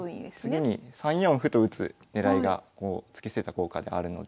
次に３四歩と打つ狙いが突き捨てた効果であるので。